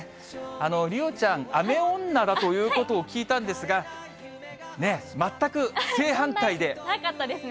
梨央ちゃん、雨女だということを聞いたんですが、ね、早かったですね。